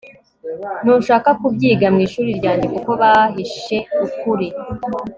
ntushaka kubyiga mwishuri ryanjye kuko bahishe ukuri